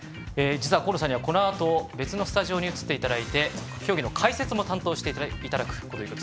実は河野さんにはこのあと別のスタジオに移っていただいて競技の解説も担当していただくと。